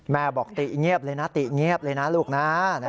บอกติเงียบเลยนะติเงียบเลยนะลูกนะ